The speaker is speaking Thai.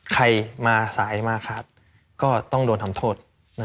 ใครมาสายมาครับก็ต้องโดนทำโทษ